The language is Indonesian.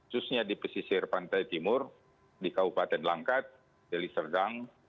khususnya di pesisir pantai timur di kabupaten langkat deli serdang